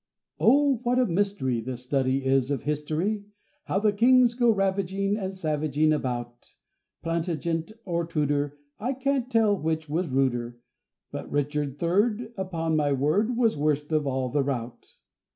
OH! what a mystery The study is of history! How the kings go ravaging And savaging about! Plantagenet or Tudor, I can't tell which was ruder; But Richard Third, Upon my word, Was worst of all the rout.